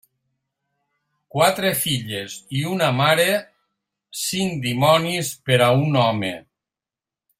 Quatre filles i una mare, cinc dimonis per a un home.